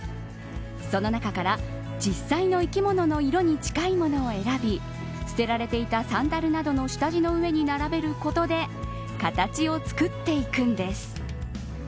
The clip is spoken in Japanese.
その中から実際の生き物に近いものを選び捨てられていたサンダルなどの下地の上に並べることで形を作っていくんです。